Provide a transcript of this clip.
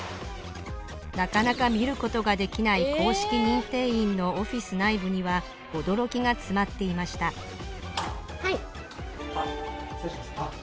なかなか見ることができない公式認定員のオフィス内部には驚きが詰まっていました・失礼します。